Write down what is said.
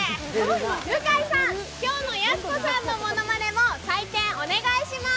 向井さん、今日のやす子さんのものまねも採点お願いします。